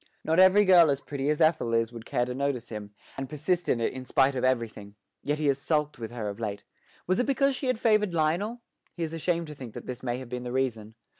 Not every girl as pretty as Ethel is would care to notice him, and persist in it in spite of everything; yet he has sulked with her of late. Was it because she had favoured Lionel? He is ashamed to think that this may have been the reason.